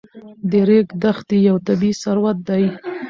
د ریګ دښتې یو طبعي ثروت دی.